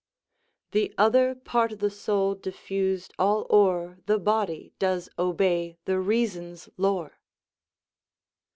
"The other part o' th' soul diffus'd all o'er The body, does obey the reason's lore."